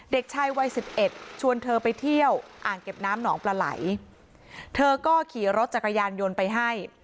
เด็กชายวัยสิบเอ็ดชวนเธอไปเที่ยวอ่างเก็บน้ำหนองปลาไหลเธอก็ขี่รถจักรยานยนต์ไปให้